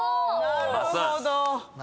なるほど。